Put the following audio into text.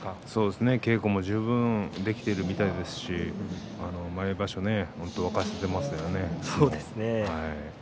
稽古も十分できているみたいですし毎場所、本当に沸かせていますね。